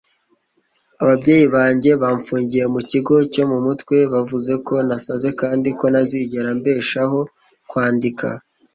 ababyeyi banjye bamfungiye mu kigo cyo mu mutwe - bavuze ko nasaze kandi ko ntazigera mbeshaho kwandika